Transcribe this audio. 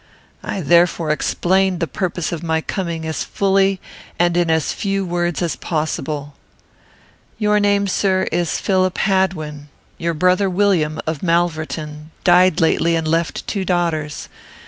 I therefore explained the purpose of my coming as fully and in as few words as possible. "Your name, sir, is Philip Hadwin. Your brother William, of Malverton, died lately and left two daughters.